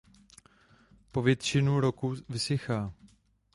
Po většinu roku vysychá.